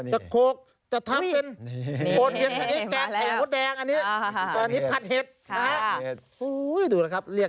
จะโคกจะทำเป็นโปรดเห็ดแดงโปรดแดงอันนี้